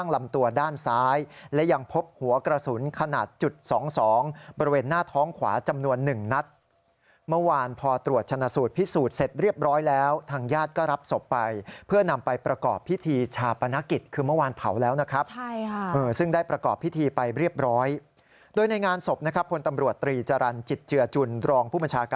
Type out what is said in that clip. ลำตัวด้านซ้ายและยังพบหัวกระสุนขนาดจุดสองสองบริเวณหน้าท้องขวาจำนวนหนึ่งนัดเมื่อวานพอตรวจชนะสูตรพิสูจน์เสร็จเรียบร้อยแล้วทางญาติก็รับศพไปเพื่อนำไปประกอบพิธีชาปนกิจคือเมื่อวานเผาแล้วนะครับใช่ค่ะซึ่งได้ประกอบพิธีไปเรียบร้อยโดยในงานศพนะครับพลตำรวจตรีจรรย์จิตเจือจุนรองผู้บัญชาการ